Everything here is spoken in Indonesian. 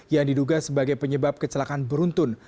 yang diduga sebagai penyebab kecelakaan beruntun